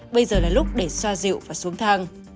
bây giờ là lúc để xoa dịu và xuống thang